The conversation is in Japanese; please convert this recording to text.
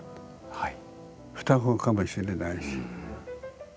はい。